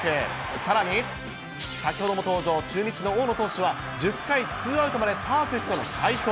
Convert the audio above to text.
さらに、先ほども登場、中日の大野投手は１０回ツーアウトまでパーフェクトの快投。